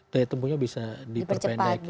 daya tempuhnya bisa dipercepat